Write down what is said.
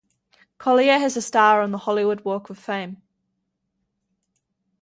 Collier has a star on the Hollywood Walk of Fame.